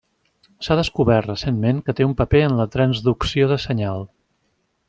S'ha descobert recentment que té un paper en la transducció de senyal.